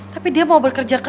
tapi dia mau bekerja sama kamu